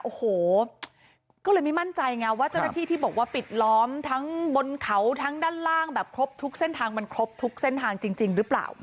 โอ้โหก็เลยไม่มั่นใจไงว่าเจ้าหน้าที่ที่บอกว่าปิดล้อมทั้งบนเขาทั้งด้านล่างแบบครบทุกเส้นทางมันครบทุกเส้นทางจริงหรือเปล่า